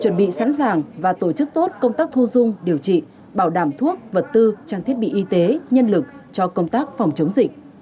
chuẩn bị sẵn sàng và tổ chức tốt công tác thu dung điều trị bảo đảm thuốc vật tư trang thiết bị y tế nhân lực cho công tác phòng chống dịch